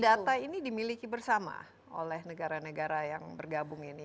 data ini dimiliki bersama oleh negara negara yang bergabung ini